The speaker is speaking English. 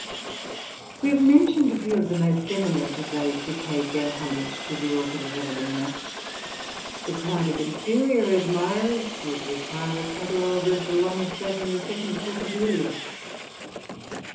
We have mentioned a few of the most eminent of those who paid their homage to the author of Evelina. The crowd of inferior admirers would require a catalogue as[Pg 352] long as that in the second book of the Iliad.